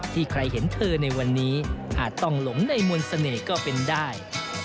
ใครเห็นเธอในวันนี้อาจต้องหลงในมวลเสน่ห์ก็เป็นได้